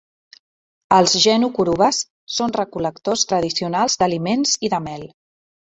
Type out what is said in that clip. Els Jenu Kurubas són recol·lectors tradicionals d'aliments i de mel.